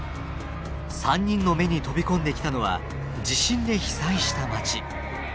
３人の目に飛び込んできたのは地震で被災した街。